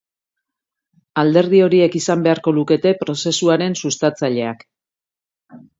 Alderdi horiek izan beharko lukete prozesuaren sustatzaileak.